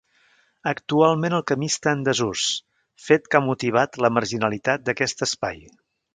Actualment el camí està en desús, fet que ha motivat la marginalitat d'aquest espai.